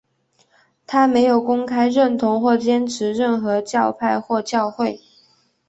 他没有公开认同或坚持任何教派或教会。